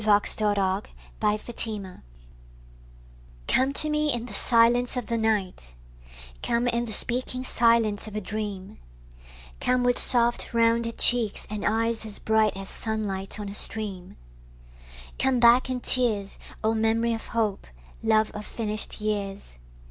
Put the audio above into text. Christina Rossetti Echo COME to me in the silence of the night; Come in the speaking silence of a dream; Come with soft rounded cheeks and eyes as bright As sunlight on a stream; Come back in tears, O memory of hope, love of finished years.